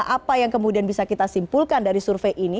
apa yang kemudian bisa kita simpulkan dari survei ini